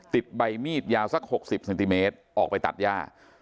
ติดใบมีดยาวสัก๖๐เซนติเมตรออกไปตัดย่า